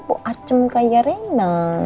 pok acem kayak rena